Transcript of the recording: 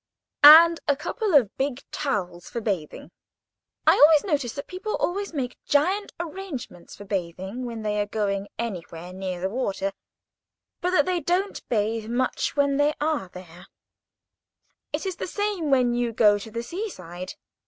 and a couple of big towels for bathing. I notice that people always make gigantic arrangements for bathing when they are going anywhere near the water, but that they don't bathe much when they are there. [Picture: Sea side scene] It is the same when you go to the sea side.